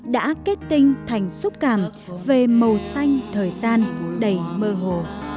đã kết tinh thành xúc cảm về màu xanh thời gian đầy mơ hồ